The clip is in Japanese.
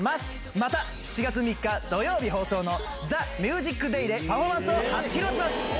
また７月３日土曜日放送のＴＨＥＭＵＳＩＣＤＡＹでパフォーマンスを初披露します。